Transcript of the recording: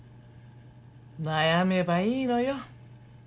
悩めばいいのよ。